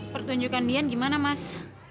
pertunjukan dian gimana mas